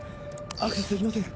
アクセスできません！